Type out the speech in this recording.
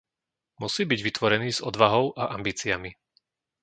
Musí byť vytvorený s odvahou a ambíciami.